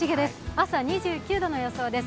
朝２９度の予想です。